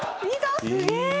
すげえ！